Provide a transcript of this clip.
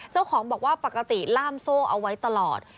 เจ้าของบอกว่าปกติล่ามโซ่เอาไว้ตลอด